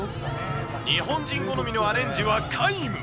日本人好みのアレンジは皆無。